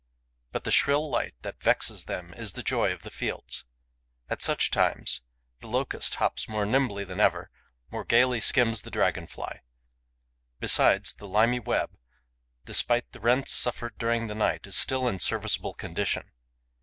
But the shrill light that vexes them is the joy of the fields. At such times, the Locust hops more nimbly than ever, more gaily skims the Dragon fly. Besides, the limy web, despite the rents suffered during the night, is still in serviceable condition.